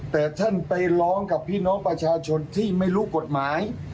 แต่ท่านไปร้องกับพี่น้องประชาชนที่ไม่รู้กฎหมาย